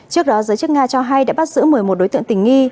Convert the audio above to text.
trước đó giới chức nga cho hay đã bắt giữ một mươi một đối tượng tình nghi